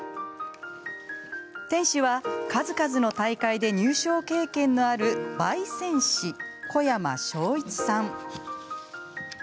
店主は、数々の大会で入賞経験のあるばい煎士・小山彰一さん。